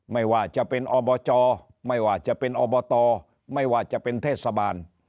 ไม่ว่าจะเป็นอบจไม่ว่าจะเป็นอบตไม่ว่าจะเป็นเทศบาล